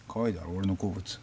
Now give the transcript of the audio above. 俺の好物。